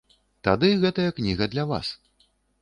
Тады гэтая кніга для вас.